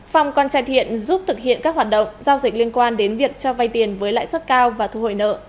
phòng con trai thiện giúp thực hiện các hoạt động giao dịch liên quan đến việc cho vay tiền với lãi suất cao và thu hội nợ